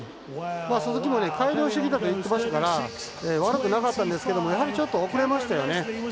鈴木も改良してきたと言ってましたから悪くなかったんですけどもやはり、ちょっと遅れましたよね。